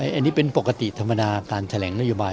อันนี้เป็นปกติธรรมดาการแถลงนโยบาย